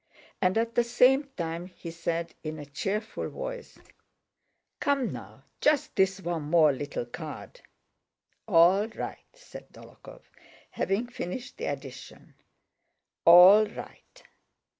And at the same time he said in a cheerful voice: "Come now, just this one more little card!" "All right!" said Dólokhov, having finished the addition. "All right!